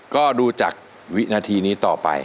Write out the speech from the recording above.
ก็ดูจากวินาทีนี้ต่อไป